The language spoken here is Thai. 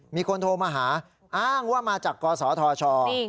มีคนโทรมาหาอ้างว่ามาจากกศธช